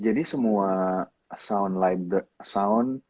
jadi semua sound